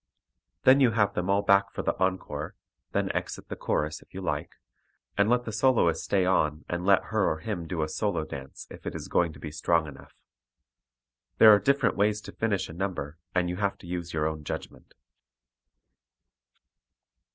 Then you have them all back for the encore, then exit the chorus if you like, and let the soloist stay on and let her or him do a solo dance if it is going to be strong enough. There are different ways to finish a number and you have to use your own judgment.